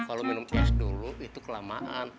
kalau minum kos dulu itu kelamaan